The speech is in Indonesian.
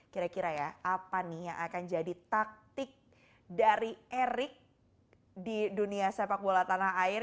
kira kira ya apa nih yang akan jadi taktik dari erik di dunia sepak bola tanah air